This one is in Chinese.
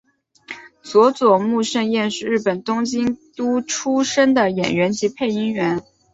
佐佐木胜彦是日本东京都出身的演员及配音员。